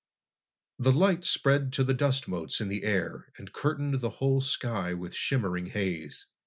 The light spread to the dust motes in the air and curtained the whole sky with shimmering haze.